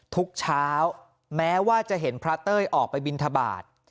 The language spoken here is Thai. ทุกเช้าแม้ว่าจะเห็นพระเต้ยออกไปบินทบาท